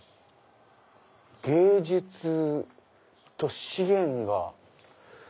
芸術と資源が。